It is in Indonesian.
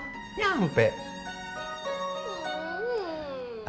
pak fahmi gak mau iki hati deh